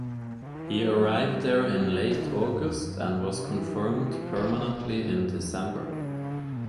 He arrived there in late August and was confirmed permanently in December.